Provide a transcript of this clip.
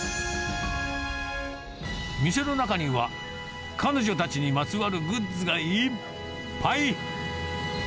店の中には、彼女たちにまつわるグッズがいっぱい。